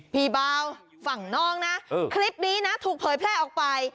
พี่เบาฝั่งน้องนะคลิปนี้นะถูกเผยแพร่ออกไป